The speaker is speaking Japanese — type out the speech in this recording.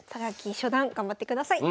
榊初段頑張ってください。